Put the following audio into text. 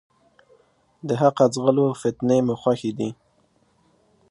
د حقه ځغلو ، فتنې مو خوښي دي.